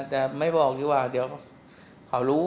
แต่ก็ไม่บอกรึเปล่าเดี๋ยวเค้ารู้